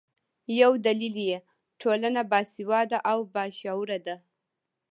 یو دلیل یې ټولنه باسواده او باشعوره ده.